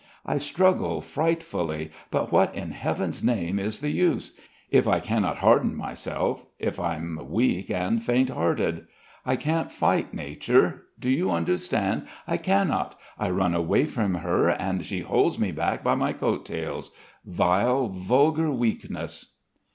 I struggle frightfully, but what in Heaven's name is the use? If I cannot harden myself, if I'm weak and faint hearted. I can't fight nature. Do you understand? I cannot! I run away from her and she holds me back by my coattails. Vile, vulgar weakness."